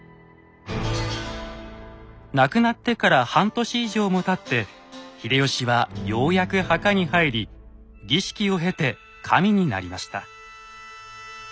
亡くなってから半年以上もたって秀吉はようやく墓に入り儀式を経て神になりました。